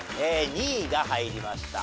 ２位が入りました。